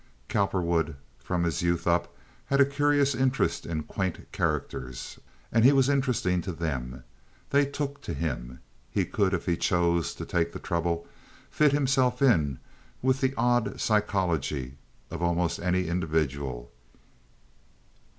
Cowperwood from his youth up had had a curious interest in quaint characters, and he was interesting to them; they "took" to him. He could, if he chose to take the trouble, fit himself in with the odd psychology of almost any individual.